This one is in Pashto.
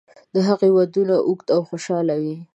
د هغوی ودونه اوږده او خوشاله وي.